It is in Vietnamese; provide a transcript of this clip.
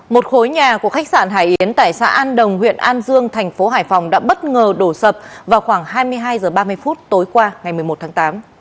một khối nhà của khách sạn hải yến tại xã an đồng huyện an dương thành phố hải phòng đã bất ngờ đổ sập vào khoảng hai mươi hai h ba mươi phút tối qua ngày một mươi một tháng tám